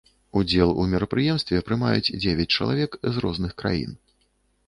Удзел у мерапрыемстве прымаюць дзевяць чалавек з розных краін.